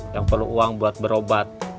yang perlu uang buat berobat